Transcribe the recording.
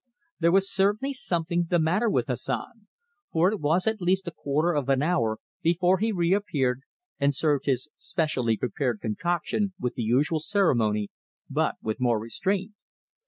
There was certainly something the matter with Hassan, for it was at least a quarter of an hour before he reappeared and served his specially prepared concoction with the usual ceremony but with more restraint.